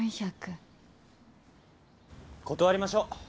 断りましょう。